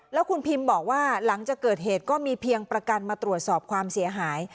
แล้วคุณพิมบอกว่าหลังจากเกิดเหตุก็มีเพียงประกันมาตรวจสอบความเสียหาย